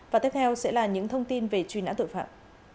và tiếp theo sẽ là những thông tin về truy nã tội phạm